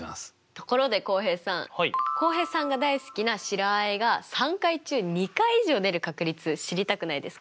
ところで浩平さん浩平さんが大好きな白あえが３回中２回以上出る確率知りたくないですか？